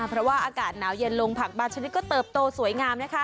เพราะว่าอากาศหนาวเย็นลงผักบางชนิดก็เติบโตสวยงามนะคะ